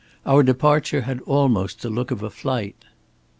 "Our departure had almost the look of a flight."